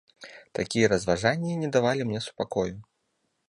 Такія разважанні не давалі мне супакою.